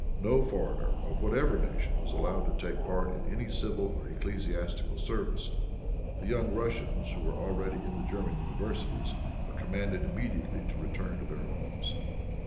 No foreigner, of whatever nation, was allowed to take part in any civil or ecclesiastical service. The young Russians who were already in the German universities, were commanded immediately to return to their homes.